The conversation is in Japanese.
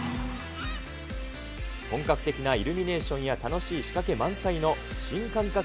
本格的なイルミネーションや楽しい仕掛け満載の新感覚